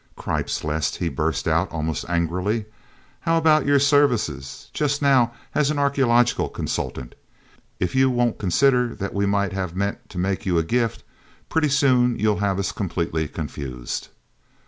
"Cripes, Les!" he burst out almost angrily. "How about your services, just now, as an archeological consultant? If you won't consider that we might have meant to make you a gift. Pretty soon you'll have us completely confused!"